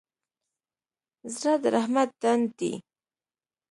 زړه د رحمت ډنډ دی.